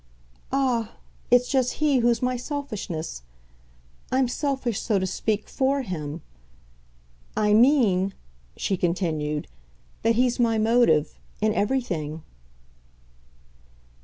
"Ah, it's just he who's my selfishness. I'm selfish, so to speak, FOR him. I mean," she continued, "that he's my motive in everything."